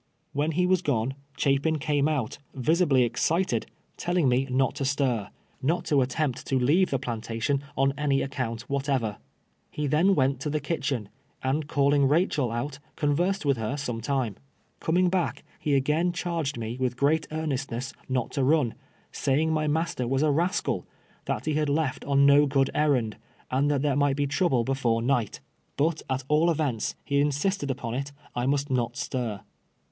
When he was gone, Chapin came out, visibly exci UXIIArPY KEFLECl^IONS. 113 ted, telling me not to stir, not to attempt to leave the plantation on any account whatever. He then went to the kitchen, aiul calling Eachel out, conversed with her some time. Coming back, he again charged me with great earnestness not to run, saying my master was a rascal ; that he had left on no good errand, and that tliere might be trouble before night. But at all events, he insisted upon it, I must not stir.